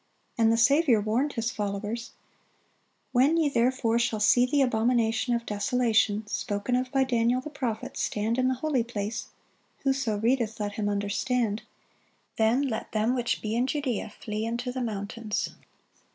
And the Saviour warned His followers: "When ye therefore shall see the abomination of desolation, spoken of by Daniel the prophet, stand in the holy place, (whoso readeth, let him understand:) then let them which be in Judea flee into the mountains."